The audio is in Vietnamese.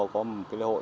có một cái lễ hội